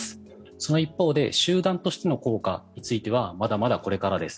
その一方で、集団としての効果はまだまだ、これからです。